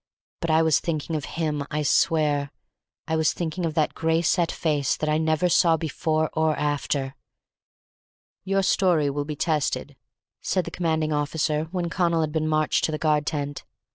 But I was thinking of him, I swear. I was thinking of that gray set face that I never saw before or after. "Your story will be tested," said the commanding officer, when Connal had been marched to the guard tent.